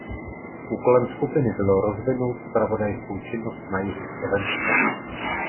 Úkolem skupiny bylo rozvinout zpravodajskou činnost na jihu Slovenska.